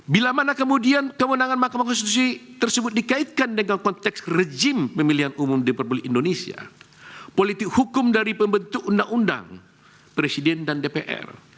bila mana kemudian kewenangan mahkamah konstitusi tersebut dikaitkan dengan konteks rejim pemilihan umum di publik indonesia politik hukum dari pembentuk undang undang presiden dan dpr